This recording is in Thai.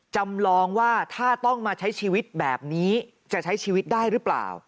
จำลองว่าถ้าต้องมาใช้ชีวิตแบบนี้จะใช้ชีวิตได้หรือเปล่า